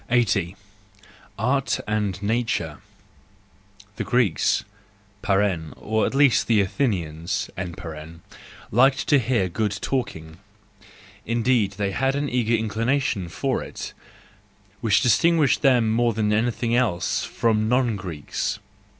80. Art and Nature .—The Greeks (or at least the Athenians) liked to hear good talking: indeed they had an eager inclination for it, which dis¬ tinguished them more than anything else from non Greeks.